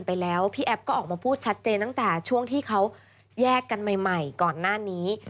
ไปแล้วพี่แอฟก็ออกมาพูดชัดเจนตั้งแต่ช่วงที่เขาแยกกันใหม่ก่อนหน้านี้